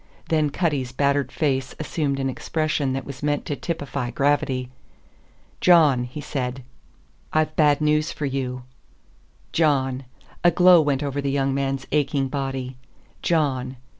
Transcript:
Then Cutty's battered face assumed an expression that was meant to typify gravity. "John," he aid, "I've bad news for you." John. A glow went over the young man's aching body. John.